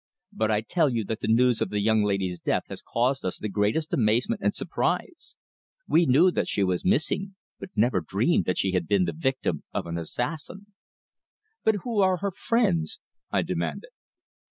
"But I tell you that the news of the young lady's death has caused us the greatest amazement and surprise. We knew that she was missing, but never dreamed that she had been the victim of an assassin." "But who are her friends?" I demanded.